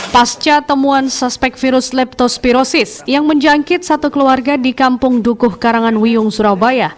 pasca temuan suspek virus leptospirosis yang menjangkit satu keluarga di kampung dukuh karangan wiyung surabaya